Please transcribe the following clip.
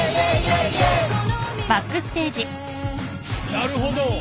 なるほど。